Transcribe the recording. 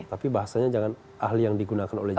tapi bahasanya jangan ahli yang digunakan oleh jokowi